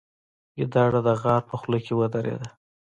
ګیدړه د غار په خوله کې ودرېده.